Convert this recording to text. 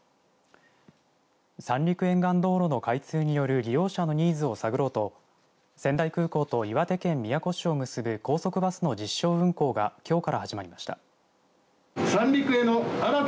三陸沿岸道路の開通による利用者のニーズを探ろうと仙台空港と岩手県宮古市を結ぶ高速バスの実証運行がきょうから始まりました。